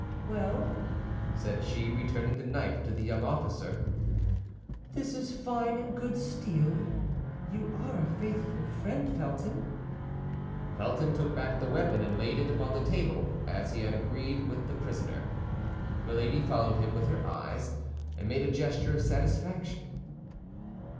"Well," said she, returning the knife to the young officer, "this is fine and good steel. You are a faithful friend, Felton." Felton took back the weapon, and laid it upon the table, as he had agreed with the prisoner. Milady followed him with her eyes, and made a gesture of satisfaction.